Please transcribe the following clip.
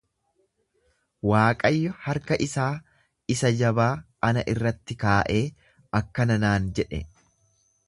Waaqayyo harka isaa isa jabaa ana irratti kaa'ee akkana naan jedhe.